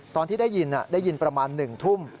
ตอนที่ได้ยินได้ยินประมาณ๑ทุ่ม